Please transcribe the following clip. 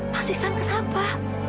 mas isan kenapa